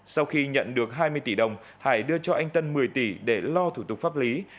sau khi nhận được hai mươi tỷ đồng hải đưa cho anh tân một mươi tỷ để lo thủ tục pháp lý